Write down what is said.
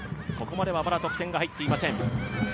ここまではまだ得点が入っていません。